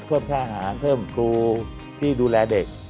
เพิ่มท่าหาเพิ่มครูที่ดูแลเด็ก